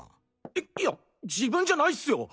いっいや自分じゃないっスよ！